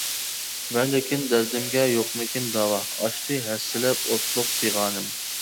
ۋە لېكىن دەردىمگە يوقمىكىن داۋا، ئاشتى ھەسسىلەپ ئوتلۇق پىغانىم.